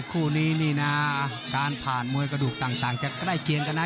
คู่นี้นี่นะการผ่านมวยกระดูกต่างจะใกล้เคียงกันนะ